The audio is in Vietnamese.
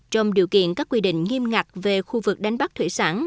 trong điều kiện các quy định nghiêm ngặt về khu vực đánh bắt thủy sản